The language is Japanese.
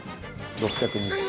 ６２０円。